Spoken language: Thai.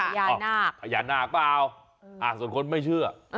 อ๋อพยานาคพยานาคเปล่าอ่าส่วนคนไม่เชื่อ